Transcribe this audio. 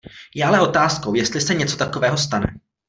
Je ale otázkou, jestli se něco takového stane.